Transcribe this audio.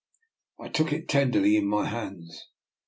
I took it tenderly in my hands.